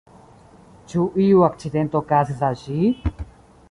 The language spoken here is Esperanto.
Ĉu iu akcidento okazis al ŝi?